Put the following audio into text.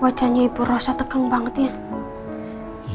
wajahnya ibu rasa tegang banget ya